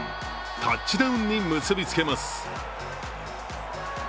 タッチダウンに結びつけます。